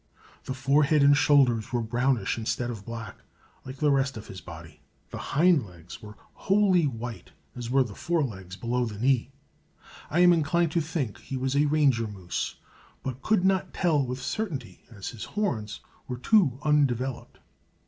The forehead and shoulders were brownish instead of black, like the rest of the body. The hindlegs were wholly white, as were the forelegs below the knee. I am inclined to think he was a ranger moose, but could not tell with certainty, as his horns were too undeveloped.